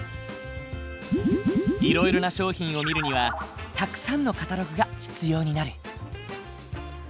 いろいろな商品を見るにはたくさんのカタログが必要になる。